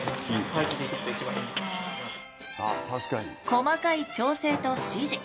細かい調整と指示。